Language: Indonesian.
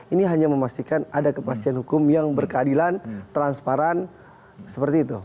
ini hanya memastikan ada kepastian hukum yang berkeadilan transparan seperti itu